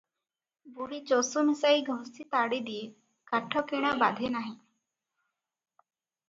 ବୁଢ଼ୀ ଚଷୁ ମିଶାଇ ଘଷି ତାଡ଼ି ଦିଏ, କାଠ କିଣା ବାଧେ ନାହିଁ ।